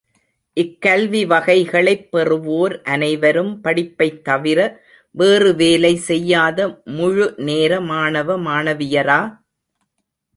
இக்கல்லி வகைகளைப் பெறுவோர் அனைவரும் படிப்பைத் தவிர வேறு வேலை செய்யாத முழு நேர மாணவ மாணவியரா?